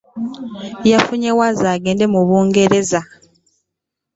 Yafunye vviza egenda mu bungereza.